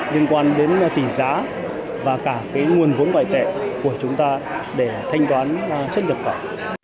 liên quan đến tỷ giá và cả nguồn vốn bài tệ của chúng ta để thanh toán chất nhập khẩu